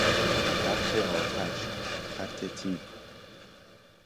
خط آتش، خط تیر